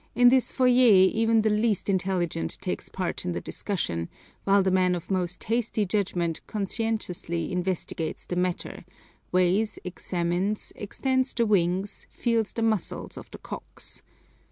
In this foyer even the least intelligent takes part in the discussion, while the man of most hasty judgment conscientiously investigates the matter, weighs, examines, extends the wings, feels the muscles of the cocks.